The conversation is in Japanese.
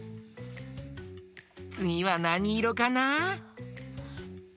つぎはなにいろかな？